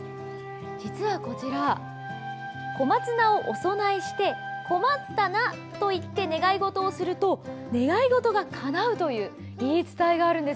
実はこちら、小松菜をお供えして「こまったな」と言って願い事をすると願い事がかなうという言い伝えがあるんです。